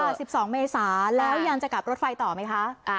๑๒เมษาแล้วยังจะกลับรถไฟต่อไหมคะ